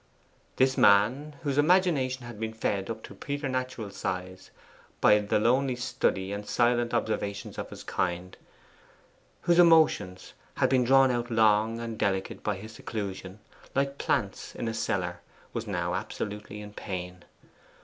This man, whose imagination had been fed up to preternatural size by lonely study and silent observations of his kind whose emotions had been drawn out long and delicate by his seclusion, like plants in a cellar was now absolutely in pain.